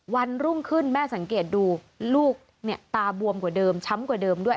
วันรุ่งขึ้นแม่สังเกตดูลูกเนี่ยตาบวมกว่าเดิมช้ำกว่าเดิมด้วย